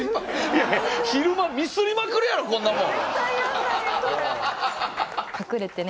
昼間ミスりまくるやろこんなもん。